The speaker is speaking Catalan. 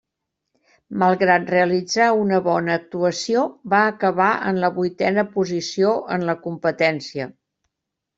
Malgrat realitzar una bona actuació, va acabar en la vuitena posició en la competència.